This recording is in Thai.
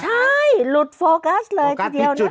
ใช่หลุดโฟกัสเลยทีเดียวนะคะ